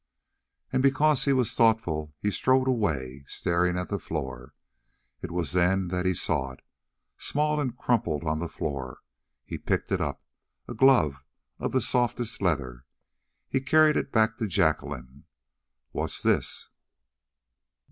And because he was thoughtful he strode away, staring at the floor. It was then that he saw it, small and crumpled on the floor. He picked it up a glove of the softest leather. He carried it back to Jacqueline. "What's this?"